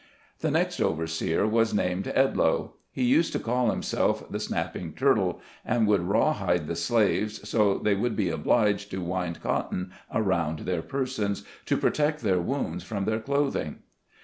The next overseer was named Edloe. He used to call himself the "snapping turtle ", and would raw hide the slaves so they would be obliged to wind cotton around their persons, to protect their wounds from their clothing.